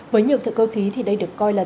với nhiều thợ cơ khí thì đây được coi là